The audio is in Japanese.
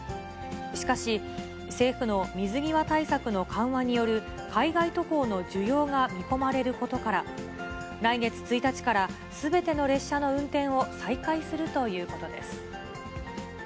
しかし、政府の水際対策の緩和による海外渡航の需要が見込まれることから、来月１日からすべての列車の運転を再開するということです。